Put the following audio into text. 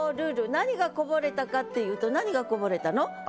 何がこぼれたかっていうと何がこぼれたの？